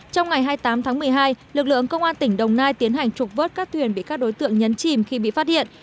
trong ngày hai mươi tám tháng một mươi hai lực lượng công an tỉnh đồng nai tiến hành trục vớt các thuyền bị các đối tượng nhấn chìm khi bị phát hiện